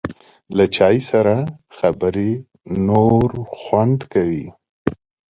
له چای سره خبرې نور خوند کوي.